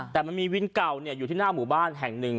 แต่มันมีวินเก่าอยู่ที่หน้าหมู่บ้านแห่งหนึ่ง